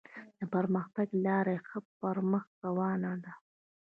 د پرمختګ لاره یې ښه پر مخ روانه ده.